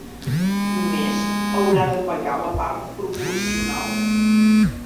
Només haurà de pagar la part proporcional.